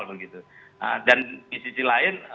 dan di sisi lain